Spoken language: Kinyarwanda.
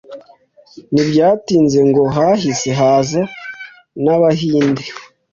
Ntibyatinze ngo hahise haza n’Abahinde